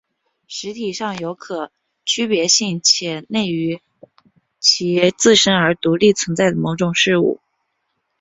实体是有可区别性且内于其自身而独立存在的某种事物。